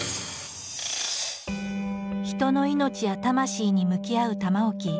人の命や魂に向き合う玉置。